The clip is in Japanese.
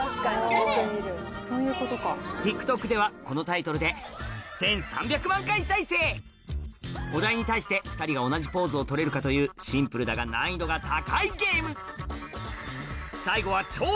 ＴｉｋＴｏｋではこのタイトルでお題に対して２人が同じポーズを取れるかというシンプルだが難易度が高いゲーム